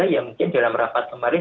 ya mungkin dalam rapat kemarin